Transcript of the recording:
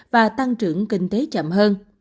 và tăng trưởng kinh tế chậm hơn